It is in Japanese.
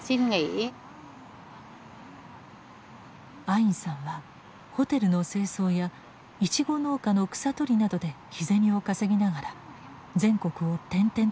アインさんはホテルの清掃やイチゴ農家の草取りなどで日銭を稼ぎながら全国を転々としていました。